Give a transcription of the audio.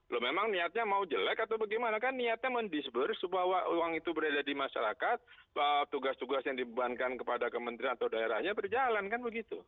loh memang niatnya mau jelek atau bagaimana kan niatnya mendisburse bahwa uang itu berada di masyarakat tugas tugas yang dibebankan kepada kementerian atau daerahnya berjalan kan begitu